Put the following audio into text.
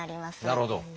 なるほど。